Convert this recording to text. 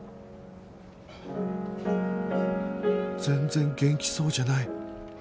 全然元気そうじゃない